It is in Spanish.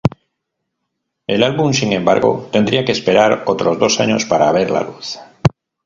El álbum, sin embargo, tendría que esperar otros dos años para ver la luz.